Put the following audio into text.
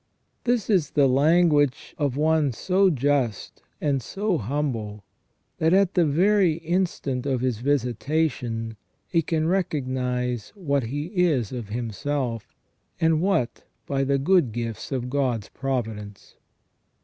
This is the language of one so just and so humble, that at the very instant of his visitation, he can recognize what he is of himself, and what by the good gifts of God's provi dence.